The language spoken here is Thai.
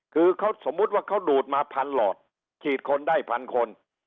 คือเขาสมมุติว่าเขาดูดมาพันหลอดฉีดคนได้พันคน